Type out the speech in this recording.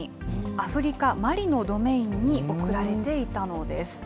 アフリカ・マリのドメインに送られていたのです。